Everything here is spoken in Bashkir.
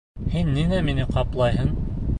Һин ниңә мине ҡаплайһың?